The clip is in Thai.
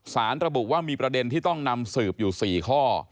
สารระบุว่ามีประเด็นที่ต้องนำสืบอยู่๔ข้อ